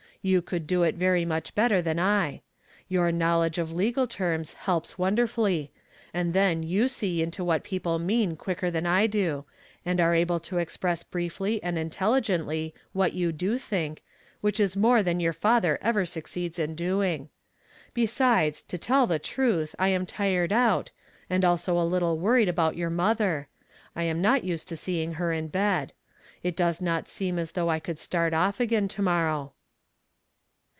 You could do it very much better than I. Your knowledge of legal terms helps wonderfully ; and then vou see into what neoule mean a nicker than I do, and are able to express briefly and intelli' "A man's heart deviseth his way." 179 gently what you do think, which is more than your father ever succeeds in doing. Besides, to tell the truth, I am tired out, and also a little won ied about your mother ; I am not used to see ing litjr in bed. It does not seem as thougli I could start off again to morrow."